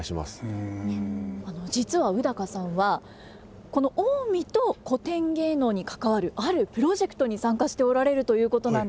実は宇さんはこの近江と古典芸能に関わるあるプロジェクトに参加しておられるということなんですよ。